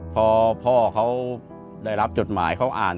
พอพ่อเขาได้รับจดหมายเขาอ่าน